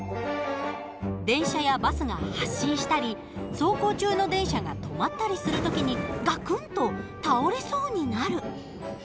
電車やバスが発進したり走行中の電車が止まったりする時にガクンと倒れそうになる。